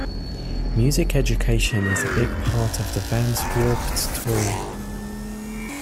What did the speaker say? Music education is a big part of the Vans Warped Tour.